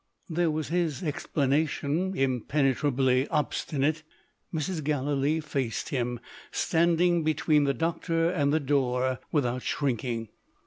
There was his explanation. Impenetrably obstinate, Mrs. Galilee faced him standing between the doctor and the door without shrinking.